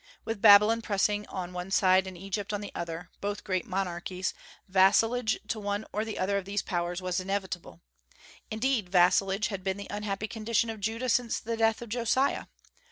With Babylon pressing on one side and Egypt on the other, both great monarchies, vassalage to one or the other of these powers was inevitable. Indeed, vassalage had been the unhappy condition of Judah since the death of Josiah.